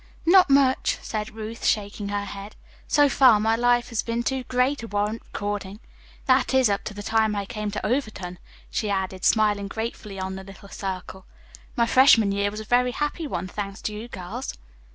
"Not much," said Ruth, shaking her head. "So far, my life has been too gray to warrant recording. That is, up to the time I came to Overton," she added, smiling gratefully on the little circle. "My freshman year was a very happy one, thanks to you girls."